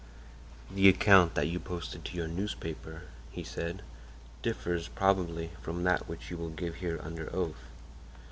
"The account that you posted to your newspaper," he said, "differs, probably, from that which you will give here under oath."